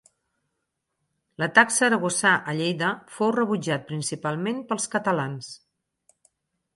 L'atac saragossà a Lleida fou rebutjat principalment pels catalans.